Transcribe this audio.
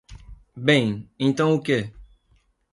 Bem, então o que?